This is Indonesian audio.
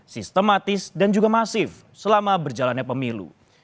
sistematis dan juga masif selama berjalannya pemilu